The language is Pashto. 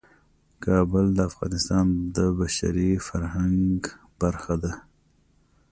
کابل د افغانستان د بشري فرهنګ برخه ده.